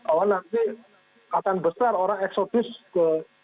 oh nanti akan besar orang eksodus ke kelas dua